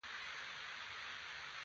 ما د خوب د در د دوازو ماتول غوښته